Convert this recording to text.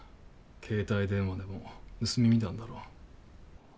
携帯電話でも盗み見たんだろう。